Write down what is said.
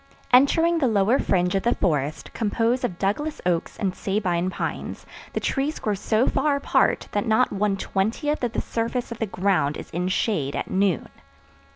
Entering the lower fringe of the forest composed of Douglas oaks and Sabine pines, the trees grow so far apart that not one twentieth of the surface of the ground is in shade at noon.